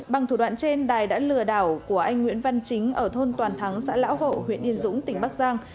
bằng thủ đoạn trên đài đã lừa đảo của anh nguyễn văn chính ở thôn toàn thắng xã lão hộ huyện yên dũng tỉnh bắc giang